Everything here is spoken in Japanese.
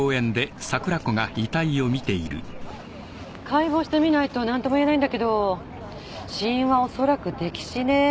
解剖してみないと何とも言えないんだけど死因は恐らくでき死ね。